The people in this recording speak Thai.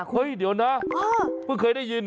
เฮ้ยเดี๋ยวนะเพิ่งเคยได้ยิน